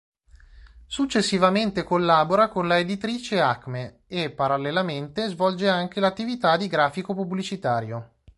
Successivamente collabora con la Editrice Acme e, parallelamente, svolge anche l'attività di grafico pubblicitario.